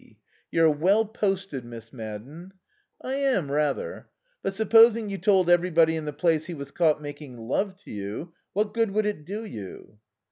You're well posted, Miss Madden." "I am, rather. But supposing you told everybody in the place he was caught making love to you, what good would it do you?"